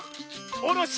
「おろし」！